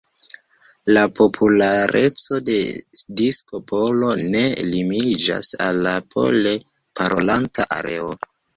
La populareco de disko polo ne limiĝas al la pole parolanta areo.